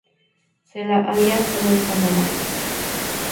Se la halla solo en Panamá.